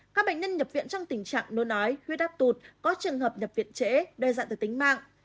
các bệnh nhân nhập viện trong tình trạng nôn nói huyết áp tụt có trường hợp nhập viện trễ đe dạng từ tính mạng